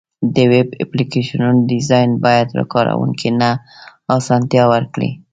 د ویب اپلیکیشنونو ډیزاین باید کارونکي ته اسانتیا ورکړي.